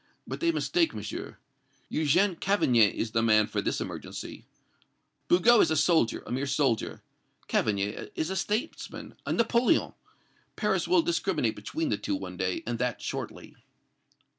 But they mistake, Monsieur. Eugène Cavaignac is the man for this emergency. Bugeaud is a soldier a mere soldier Cavaignac is a statesman a Napoleon! Paris will discriminate between the two one day, and that shortly."